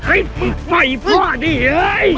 ไอ้มึงไปพ่อดิเฮ้ย